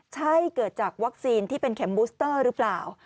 ใช่เกิดจากวัคซีนที่เป็นเข็มบูสเตอร์หรือเปล่า